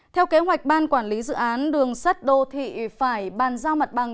theo kế hoạch ban quản lý dự án đường sắt đô thị phải bàn giao mặt bằng